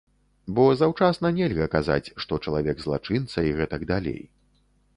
Бо заўчасна нельга казаць, што чалавек злачынца і гэтак далей.